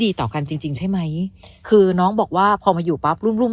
ต่อกันจริงจริงใช่ไหมคือน้องบอกว่าพอมาอยู่ปั๊บรุ่มรุ่ม